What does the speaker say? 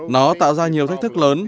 nó tạo ra nhiều thách thức lớn